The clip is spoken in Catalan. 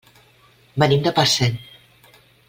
Venim de Parcent.